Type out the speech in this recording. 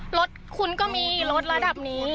รถคุณก็มีรถระดับนี้